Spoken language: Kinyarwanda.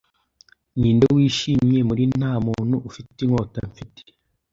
Ninde wishimye muri Nta muntu ufite inkota mfite